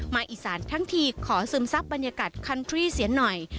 อีสานทั้งทีขอซึมซับบรรยากาศคันทรี่เสียหน่อย